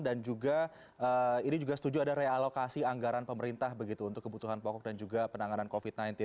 dan juga ini juga setuju ada realokasi anggaran pemerintah begitu untuk kebutuhan pokok dan juga penanganan covid sembilan belas